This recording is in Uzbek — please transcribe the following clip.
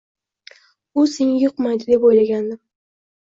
U senga yuqmaydi, deb o`ylagandim